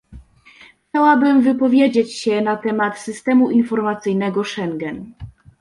Chciałabym wypowiedzieć się na temat systemu informacyjnego Schengen